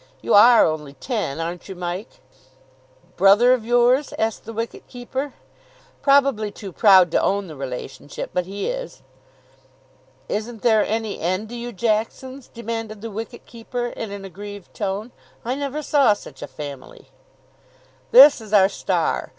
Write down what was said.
You are only ten, aren't you, Mike?" "Brother of yours?" asked the wicket keeper. "Probably too proud to own the relationship, but he is." "Isn't there any end to you Jacksons?" demanded the wicket keeper in an aggrieved tone. "I never saw such a family." "This is our star.